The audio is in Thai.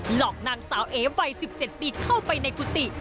หลอกนางสาวเอวัย๑๗ปีเข้าไปในกุฏิ